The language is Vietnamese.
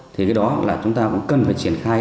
thì cái đó là chúng ta cũng cần phải triển khai